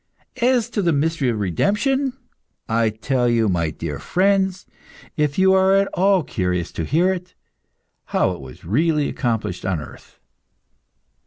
As to the mystery of the redemption, I will tell you, my dear friends if you are at all curious to hear it how it was really accomplished on earth.